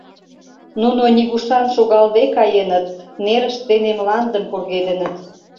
Нуно нигушан шогалде каеныт, нерышт дене мландым пургедыныт.